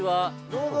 どうぞ。